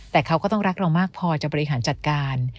แต่เขาก็ต้องรักเรามากพอจะบริหารจัดการ